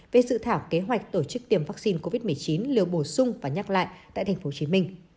về sự thảo kế hoạch tổ chức tiêm vaccine covid một mươi chín liều bổ sung và nhắc lại tại tp hcm